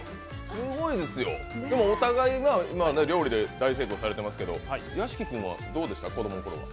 すごいですよ、お互いが料理で大成功されていますけど屋敷君はどうですか子供のころは？